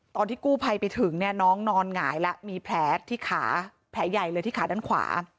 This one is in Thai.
ตอนที่กู้ภัยไปถึงเนี่ยน้องนอนหงายแล้วมีแผลที่ขาแผลใหญ่เลยที่ขาด้านขวา